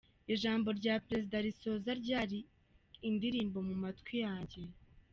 Ijambo rya Perezida risoza ryari indirimbo mu matwi yanjye.